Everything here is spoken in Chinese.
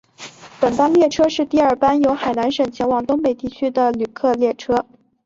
本班列车是第二班由海南省前往东北地区的旅客列车。